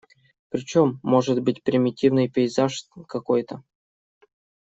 Причем, может быть примитивный пейзаж какой-то.